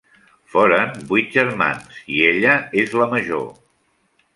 Foren vuit germans i ella és la major.